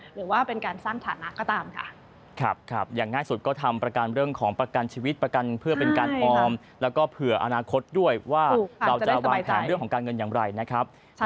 หรือว่าเป็นการสร้างฐานะก็ตามค่ะ